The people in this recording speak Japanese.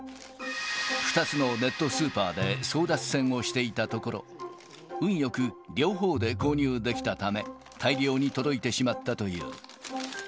２つのネットスーパーで争奪戦をしていたところ、運よく、両方で購入できたため、大量に届いてしまったという。